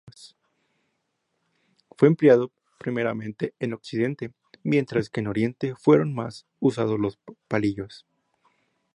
Fue empleado, primeramente, en Occidente, mientras que en Oriente fueron más usados los palillos.